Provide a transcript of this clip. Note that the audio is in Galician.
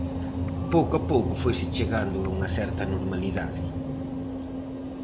Pouco a pouco foise chegando a unha certa normalidade.